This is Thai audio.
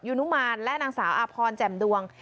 นุมานและนางสาวอาพรแจ่มดวง